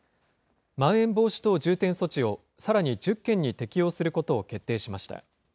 まん延防止等重点措置を、さらに１０県に適用することを決定しました。